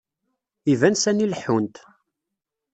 Iban sani leḥḥunt.